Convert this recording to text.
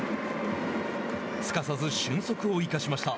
すかさず俊足を生かしました。